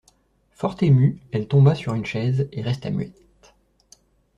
Fort émue, elle tomba sur une chaise, et resta muette.